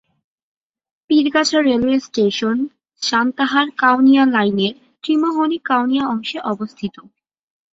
Pirgachha railway station সান্তাহার-কাউনিয়া লাইনের ত্রিমোহনী-কাউনিয়া অংশে অবস্থিত।